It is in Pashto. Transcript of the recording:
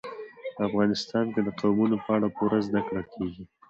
په افغانستان کې د قومونه په اړه پوره زده کړه کېږي.